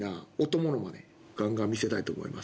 ガンガン見せたいと思います。